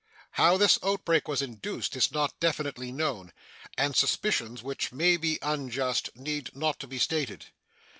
How this outbreak was induced is not definitely known, and suspicions, which may be unjust, need not to be stated.